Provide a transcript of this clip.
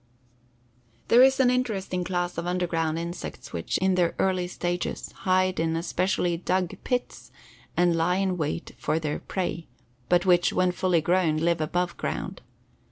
There is an interesting class of underground insects which, in their early stages, hide in especially dug pits and lie in wait for their prey, but which, when full grown, live above ground.